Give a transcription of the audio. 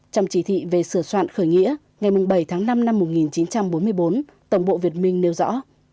trong chỉ thị về sửa soạn khởi nghĩa ngày bảy tháng năm năm một nghìn chín trăm bốn mươi bốn tổng bộ việt minh nêu rõ